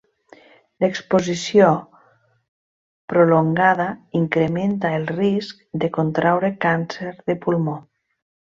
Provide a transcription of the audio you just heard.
L'exposició prolongada incrementa el risc de contraure càncer de pulmó.